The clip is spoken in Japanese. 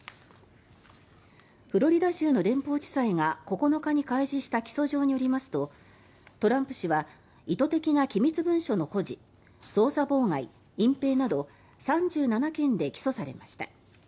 フロリダ州の連邦地裁が９日に開示した起訴状によりますとトランプ氏は意図的な機密文書の保持捜査妨害、隠ぺいなど３７件で起訴されました。